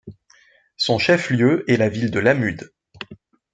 Son chef-lieu est la ville de Lámud.